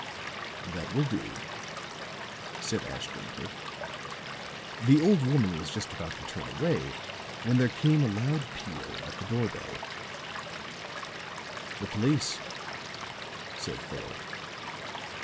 "That will do," said Ashton Kirk. The old woman was just about to turn away when there came a loud peal at the door bell. "The police," said Fuller.